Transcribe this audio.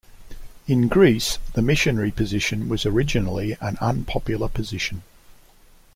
In Greece, the missionary position was originally an unpopular position.